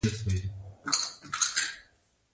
طلا د افغانستان د ځمکې د جوړښت نښه ده.